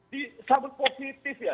disambut positif ya